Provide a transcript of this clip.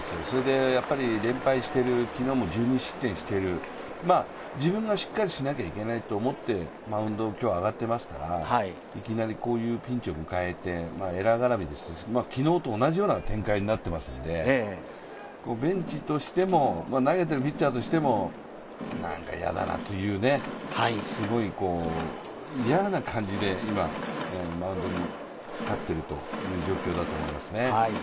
連敗してる、昨日も１２失点してる、自分がしっかりしなきゃいけないと思ってマウンドに今日、上がってますからいきなりこういうピンチを迎えてエラー絡みで、昨日と同じような展開になっていますので、ベンチとしても、投げてるピッチャーとしても、何か嫌だなという、すごい嫌な感じで今、マウンドに立っている状況だと思いますね。